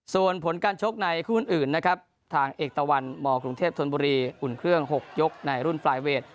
ส่วนผลการชกในคู่อื่นนะครับทางเอกตะวันมกรุงเทพธนบุรีอุ่นเครื่อง๖ยกในรุ่นปลายเวท